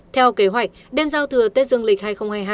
theo kế hoạch đêm giao thừa tết dương lịch hai nghìn hai mươi hai